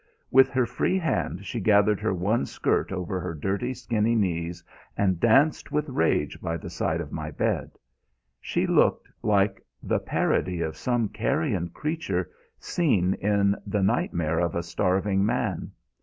With her free hand she gathered her one skirt over her dirty, skinny knees and danced with rage by the side of my bed. She looked like the parody of some carrion creature seen in the nightmare of a starving man.